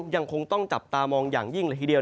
ยังคงต้องจับตามองอย่างยิ่งเลยทีเดียว